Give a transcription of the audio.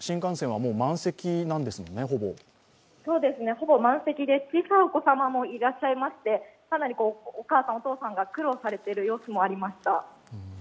そうですね、ほぼ満席で小さいお子様もいらっしゃいましてかなりお母さん、お父さんが苦労されている様子もありました。